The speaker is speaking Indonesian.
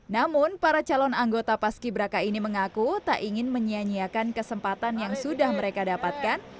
namun para calon anggota paski braka ini mengaku tak ingin menyianyiakan kesempatan yang sudah mereka dapatkan